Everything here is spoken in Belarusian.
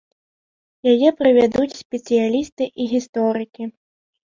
Яе правядуць спецыялісты і гісторыкі.